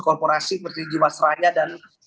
korporasi seperti jiwasraya dan